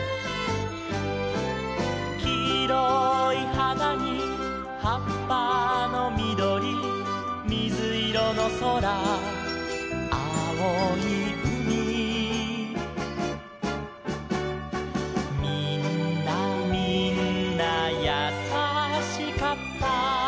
「きいろいはなにはっぱのみどり」「みずいろのそらあおいうみ」「みんなみんなやさしかった」